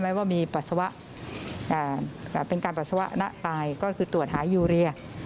ว่ามีปัสสาวะเป็นการปัสสาวะณตายก็คือตรวจหายูเรีย